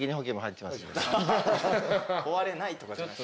壊れないとかじゃない。